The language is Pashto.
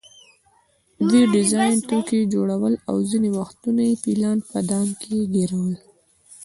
دوی ډبرین توکي جوړول او ځینې وختونه یې فیلان په دام کې ګېرول.